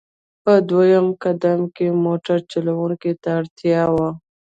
په دویم قدم کې موټر چلوونکو ته اړتیا وه.